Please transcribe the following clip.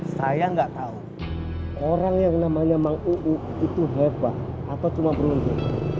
saya gak tau orang yang namanya mang uu itu hebat atau cuma berundur